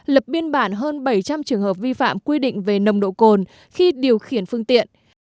lập biên bản hơn bảy trăm linh trường hợp vi phạm quy định về nồng độ cồn khi điều khiển phương tiện